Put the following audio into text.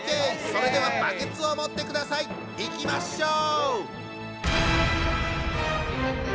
それではバケツを持ってください！いきましょう！